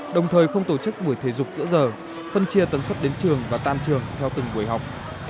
đồng thời không tổ chức buổi thể dục giữa giờ phân chia tần suất đến trường và tan trường theo từng buổi học